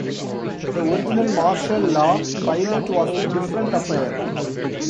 The original "Marshall Law" pilot was a different affair.